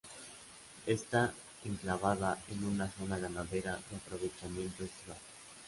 Está enclavada en una zona ganadera de aprovechamiento estival.